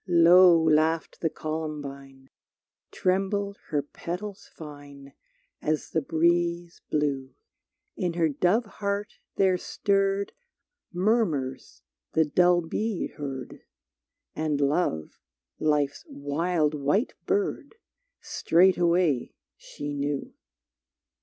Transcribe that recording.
Low laughed the Columbine, Trembled her petals fine As the breeze blew; In her dove heart there stirred Murmurs the dull bee heard, And Love, Life's wild white bird, Straightway she knew.